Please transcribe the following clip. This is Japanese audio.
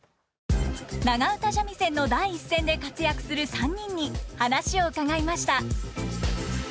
長唄三味線の第一線で活躍する３人に話を伺いました。